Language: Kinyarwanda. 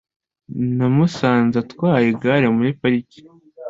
Namusanze atwaye igare muri parike.